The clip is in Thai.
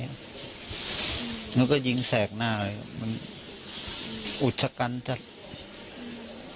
แล้วก็ยิงแสกหน้าอ่ะมันอุดชะกันจักร